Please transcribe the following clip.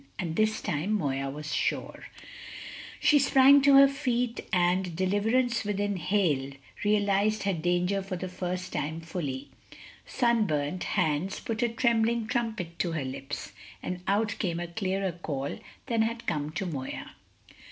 And this time Moya was sure. She sprang to her feet, and, deliverance within hail, realised her danger for the first time fully. Sunburnt hands put a trembling trumpet to her lips, and out came a clearer call than had come to Moya.